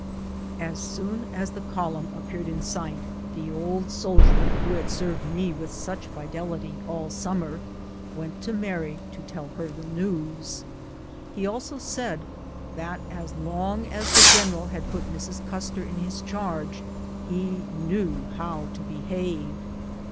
As soon as the column appeared in sight, the old sol dier who had served me with such fidelity all summer went to Mary to tell her the news. He also said that as long as the general had put Mrs. Custer in his charge he knew how to behave.